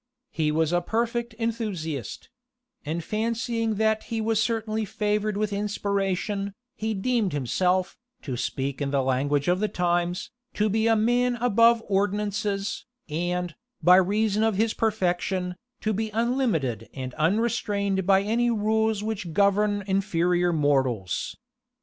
He was a perfect enthusiast; and fancying that he was certainly favored with inspiration, he deemed himself, to speak in the language of the times, to be a man above ordinances, and, by reason of his perfection, to be unlimited and unrestrained by any rules which govern inferior mortals.